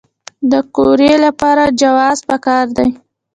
د قوریې لپاره جواز پکار دی؟